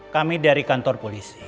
kami dari kantor polisi